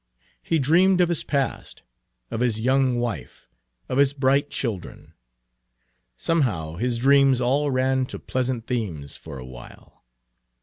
He dreamed of his past, of his young wife, of his bright children. Somehow his dreams all ran to pleasant themes for a while.